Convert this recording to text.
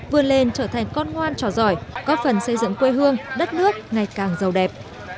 vươn lên trở thành con ngoan trò giỏi góp phần xây dựng quê hương đất nước ngày càng giàu đẹp